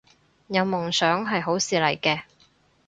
有夢想係好事嚟嘅